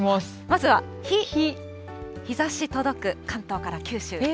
まずはひ、日ざし届く、関東から九州。